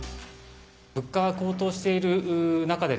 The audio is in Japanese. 物価が高騰している中で、